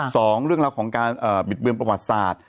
สองเรื่องราวของการบิดเบือนประวัติศาสตร์